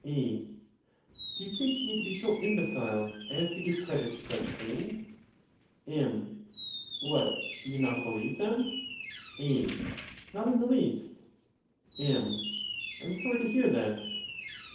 A. Do you take me to be so imbecile as to give credit to such things? M. What, do you not believe them ? A. Not in the least. M. 1 am sorry to hear that.